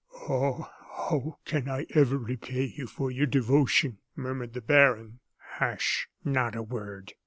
"Ah! how can I ever repay you for your devotion!" murmured the baron. "Hush! not a word!"